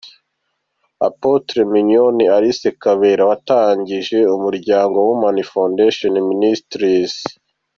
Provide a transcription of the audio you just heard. Apotre Mignone Alice Kabera watangije umuryango Women Foundation Ministries.